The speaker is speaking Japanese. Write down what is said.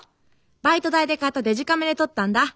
バイト代で買ったデジカメで撮ったんだ。